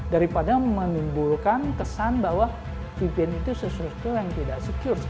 daripada menimbulkan kesan bahwa pimpinan itu sesuatu yang tidak secure